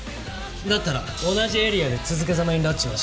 だったら同じエリアで続けざまに拉致はしない。